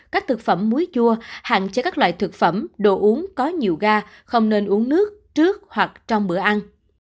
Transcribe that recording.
các thực phẩm muối chua hạn chế các loại thực phẩm đồ uống có nhiều ga không nên uống nước trước hoặc trong bữa ăn